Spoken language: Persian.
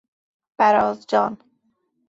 برازجان